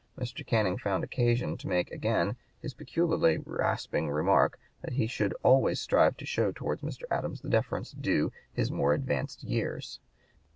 Mr. Canning found occasion to make again his peculiarly rasping remark that he should always strive to show towards Mr. Adams the deference due to his "more advanced years."